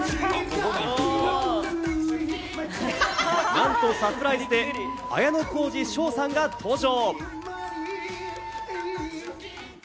なんとサプライズで綾小路翔さんが登場。